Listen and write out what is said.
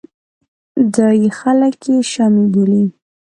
ځایي خلک یې شامي بولي.